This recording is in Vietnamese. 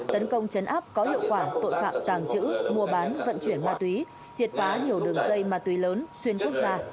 tấn công chấn áp có hiệu quả tội phạm tàng trữ mua bán vận chuyển ma túy triệt phá nhiều đường dây ma túy lớn xuyên quốc gia